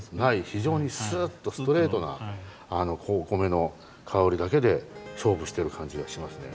非常にすっとストレートな米の香りだけで勝負してる感じがしますね。